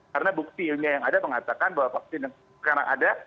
karena buktinya yang ada mengatakan bahwa vaksin yang sekarang ada